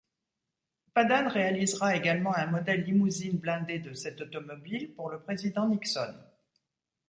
Padane réalisera également un modèle limousine blindé de cette automobile pour le président Nixon.